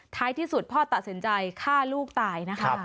ท้ายที่สุดพ่อตัดสินใจฆ่าลูกตายนะคะ